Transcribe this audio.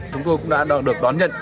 chúng tôi cũng đã được đón nhận